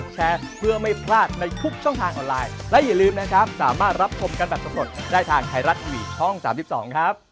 สะพานพระฤาทธิ์สุขไม่มีฝากไว้ให้คลิปนะครับ